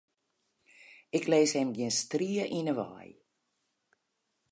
Ik lis him gjin strie yn 'e wei.